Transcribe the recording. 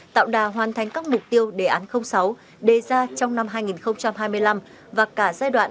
tạo đà hoàn thành các mục tiêu đề án sáu đề ra trong năm hai nghìn hai mươi năm và cả giai đoạn hai nghìn hai mươi hai nghìn hai mươi năm